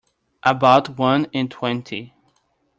About one in twenty.